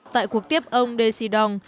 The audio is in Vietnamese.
tại cuộc tiếp ông desi dong